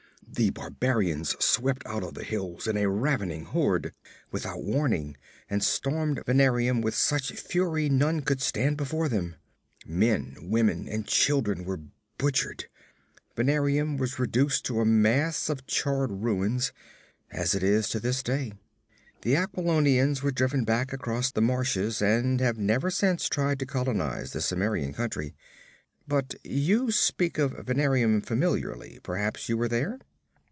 The barbarians swept out of the hills in a ravening horde, without warning, and stormed Venarium with such fury none could stand before them. Men, women and children were butchered. Venarium was reduced to a mass of charred ruins, as it is to this day. The Aquilonians were driven back across the marches, and have never since tried to colonize the Cimmerian country. But you speak of Venarium familiarly. Perhaps you were there?'